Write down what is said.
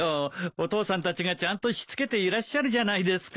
お父さんたちがちゃんとしつけていらっしゃるじゃないですか。